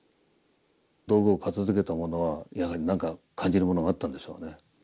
道具を片づけた者はやはり何か感じるものがあったんでしょうね。